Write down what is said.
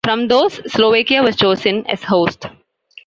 From those, Slovakia was chosen as host.